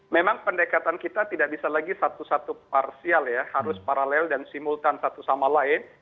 memang pendekatan kita tidak bisa lagi satu satu parsial ya harus paralel dan simultan satu sama lain